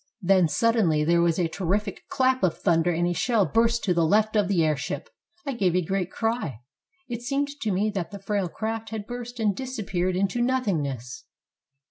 Then suddenly there was a terrific clap of thunder and a shell burst to the left of the airship. I gave a great cry. It seemed to me that the frail craft had burst and disappeared into nothingness.